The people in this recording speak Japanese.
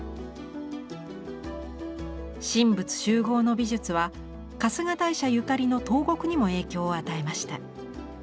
神仏習合の美術は春日大社ゆかりの東国にも影響を与えました。